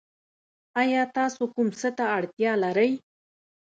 ایا تاسو کوم څه ته اړتیا لرئ؟